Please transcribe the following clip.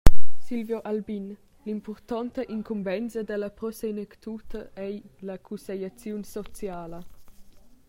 Silvio Albin: L’impurtonta incumbensa dalla Pro Senectute ei la cussegliaziun sociala.